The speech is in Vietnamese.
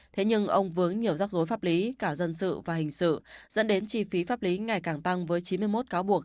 thế nhưng ông vướng nhiều rắc rối pháp lý cả dân sự và hình sự dẫn đến chi phí pháp lý ngày càng tăng với chín mươi một cáo buộc